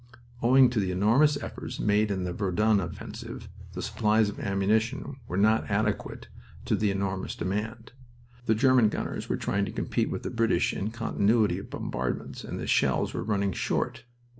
Owing to the enormous efforts made in the Verdun offensive, the supplies of ammunition were not adequate to the enormous demand. The German gunners were trying to compete with the British in continuity of bombardments and the shells were running short.